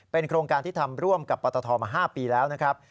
โครงการที่ทำร่วมกับปตทมา๕ปีแล้วนะครับ